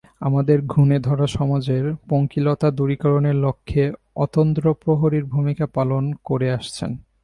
আমাদের ঘুণে ধরা সমাজের পঙ্কিলতা দূরীকরণের লক্ষ্যে অতন্দ্রপ্রহরীর ভূমিকা পালন করে আসছেন।